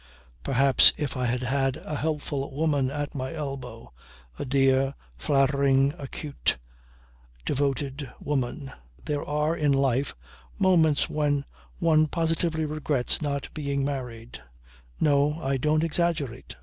Perhaps if I had had a helpful woman at my elbow, a dear, flattering acute, devoted woman ... There are in life moments when one positively regrets not being married. No! I don't exaggerate.